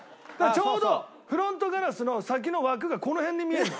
ちょうどフロントガラスの先の枠がこの辺に見えるの。